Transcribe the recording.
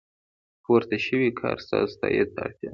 پورته شوی کار ستاسو تایید ته اړتیا لري.